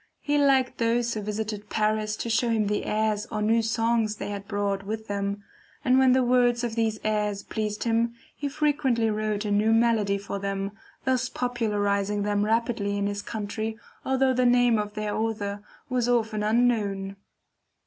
He liked those who visited Paris to show him the airs or new songs they had brought with them, and when the words of these airs pleased him, he frequently wrote a new melody for them, thus popularizing them rapidly in his country although the name of their author was often unknown.